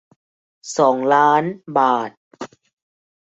สองล้าน บาท